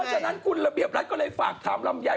ฉะนั้นคุณระเบียบรัฐก็เลยฝากถามลำไย